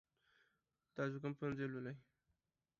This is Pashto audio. تاسو کوم پوهنځی لولئ؟